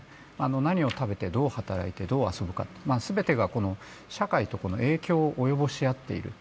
何を食べて、どう働いて、どう遊ぶか、全てが社会と影響を及ぼし合っている。